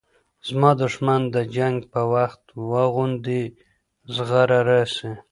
زما دښمن د جنګ په وخت واغوندي زغره راسي